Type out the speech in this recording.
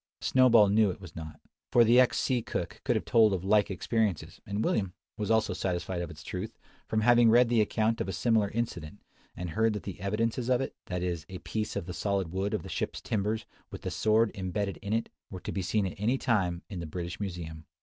Snowball knew it was not: for the ex sea cook could have told of like experiences; and William was also satisfied of its truth, from having read the account of a similar incident, and heard that the evidences of it, that is, a piece of the solid wood of the ship's timbers, with the sword imbedded in it, were to be seen at any time in the British Museum.